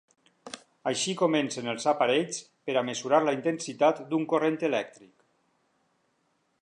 Així comencen els aparells per a mesurar la intensitat d'un corrent elèctric.